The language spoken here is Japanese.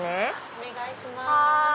お願いします。